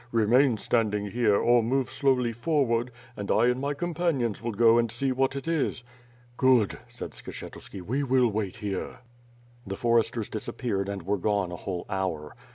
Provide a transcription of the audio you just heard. Remain standing here, or move slowly forward, and I and my companions will go and see what it is." "Good," said Skshetuski, "we will wait here." The foresters disappeared and were gone a whole hour.